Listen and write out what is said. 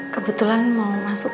kebetulan mau masuk